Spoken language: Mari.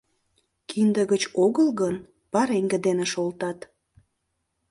Кинде гыч огыл гын, пареҥге дене шолтат.